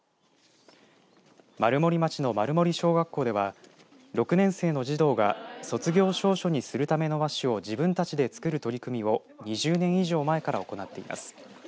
丸森町の丸森小学校では６年生の児童が卒業証書にするための和紙を自分たちで作る取り組みを２０年以上前から行っています。